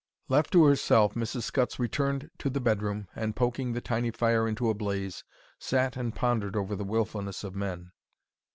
Left to herself, Mrs. Scutts returned to the bedroom and, poking the tiny fire into a blaze, sat and pondered over the willfulness of men.